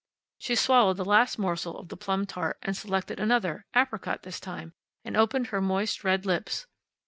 She swallowed the last morsel of the plum tart, and selected another apricot, this time, and opened her moist red lips.